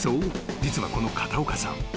実はこの片岡さん］